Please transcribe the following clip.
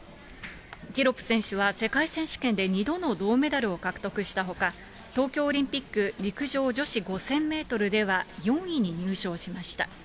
ティロップ選手は世界選手権で２度の銅メダルを獲得したほか、東京オリンピック陸上女子５０００メートルでは４位に入賞しました。